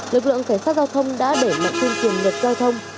lực lượng cảnh sát giao thông đã để mặt trên tiền lực giao thông